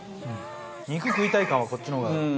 肉食いたい感はこっちの方が。